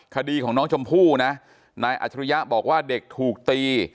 คดีของน้องชมพู่นะนายอัจฉริยะบอกว่าเด็กถูกตี